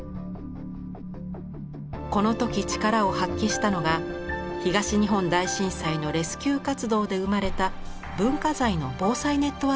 この時力を発揮したのが東日本大震災のレスキュー活動で生まれた文化財の防災ネットワークです。